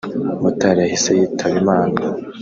Motari yahise yitaba Imana